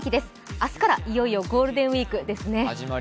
明日からいよいよゴールデンウイークですね。